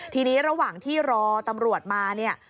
ทีนี้ระหว่างที่รอตำรวจมาเนี่ย